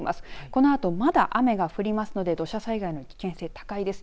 このあと、まだ雨が降りますので土砂災害への危険性、高いです。